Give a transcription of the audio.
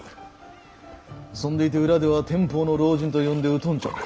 そんでいて裏では天保の老人と呼んで疎んじょる。